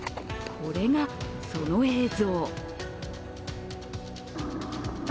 これが、その映像。